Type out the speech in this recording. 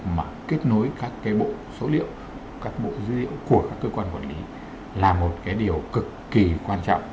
mà kết nối các bộ dữ liệu của các cơ quan quản lý là một điều cực kỳ quan trọng